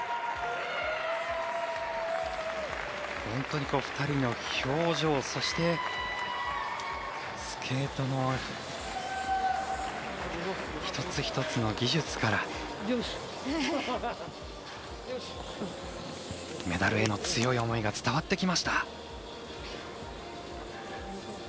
本当に２人の表情そして、スケートの一つ一つの技術からメダルへの強い思いが伝わってきました。